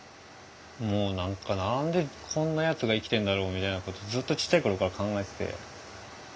もう何か何でこんなやつが生きてんだろうみたいなことずっとちっちゃい頃から考えてて。